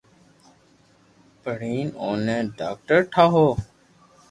پڙآن اوني ڌاڪٽر ٺاوُِ ھون